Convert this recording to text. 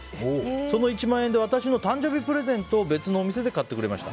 その１万円で私の誕生日プレゼントを別のお店で買ってくれました。